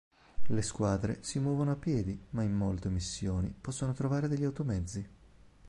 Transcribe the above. Le squadre si muovono a piedi ma in molte missioni possono trovare degli automezzi.